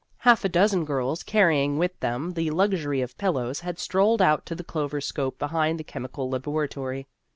Half a dozen girls, carrying with them the luxury of pillows, had strolled out to the clover slope behind the Chemical Labo ratory.